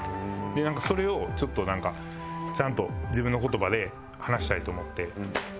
それをちょっとなんかちゃんと自分の言葉で話したいと思ってはい。